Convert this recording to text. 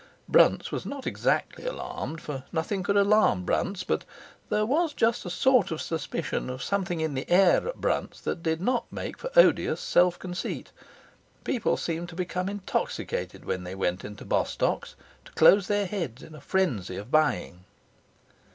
Brunt's was not exactly alarmed, for nothing could alarm Brunt's; but there was just a sort of suspicion of something in the air at Brunt's that did not make for odious self conceit. People seemed to become intoxicated when they went into Bostock's, to close their heads in a frenzy of buying.